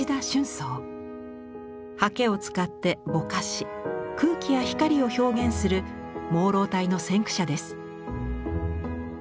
はけを使ってぼかし空気や光を表現する朦朧体の先駆者です。